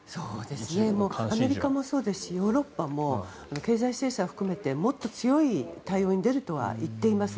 アメリカもそうですしヨーロッパも経済制裁を含めてもっと強い対応に出ると言っています。